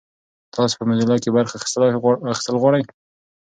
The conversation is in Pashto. تاسو په موزیلا کې برخه اخیستل غواړئ؟